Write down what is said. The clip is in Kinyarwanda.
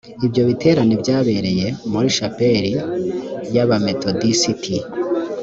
ibyo biterane byabereye muri shapeli y abametodisiti